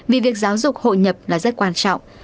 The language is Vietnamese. vì việc giáo dục hội nhập là rất quan trọng